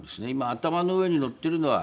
頭の上にのってるのは。